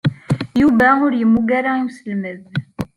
Yuba ur yemmug ara i uselmed.